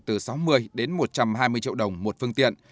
từ sáu mươi đến một trăm hai mươi triệu đồng một phương tiện